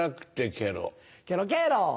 ケロケロ。